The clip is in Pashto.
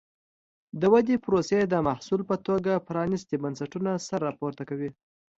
د ودې پروسې د محصول په توګه پرانیستي بنسټونه سر راپورته کوي.